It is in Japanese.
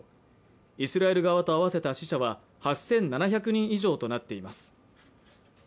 イスラエル側と合わせた死者は８７００人以上となっています